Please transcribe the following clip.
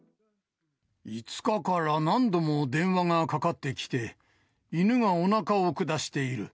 ５日から何度も電話がかかってきて、犬がおなかを下している。